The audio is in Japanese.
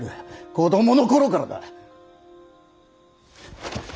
子供の頃からだ。